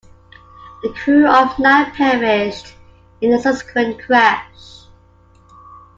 The crew of nine perished in the subsequent crash.